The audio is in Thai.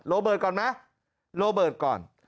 โบเบิร์ตก่อนไหมโรเบิร์ตก่อน